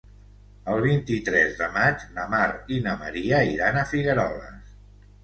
El vint-i-tres de maig na Mar i na Maria iran a Figueroles.